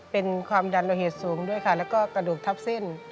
เป็นความดันโลหิตสูงด้วยค่ะแล้วก็กระดูกทับเส้น